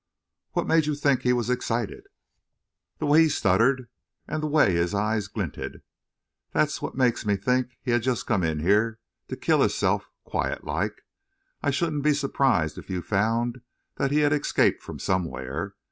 "What made you think he was excited?" "The way he stuttered, and the way his eyes glinted. That's what makes me think he just come in here to kill hisself quiet like I shouldn't be surprised if you found that he'd escaped from somewhere.